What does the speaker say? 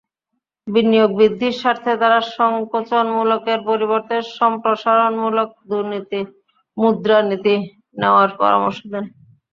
বিনিয়োগ বৃদ্ধির স্বার্থে তাঁরা সংকোচনমূলকের পরিবর্তে সম্প্রসারণমূলক মুদ্রানীতি নেওয়ার পরামর্শ দেন।